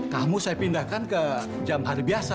kamu saya pindahkan ke jam hari biasa